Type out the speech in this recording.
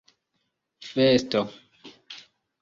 festo